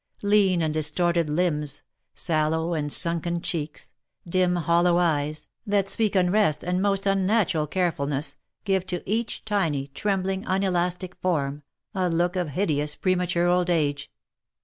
Lean and distorted limbs — sallow and sunken cheeks dim hollow eyes, that speak unrest and most unnatural carefulness, give to each tiny, trembling, unelastic form, a look of hideous pre mature old age.